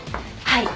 はい！